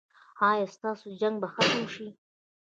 ایا ستاسو جنګ به ختم شي؟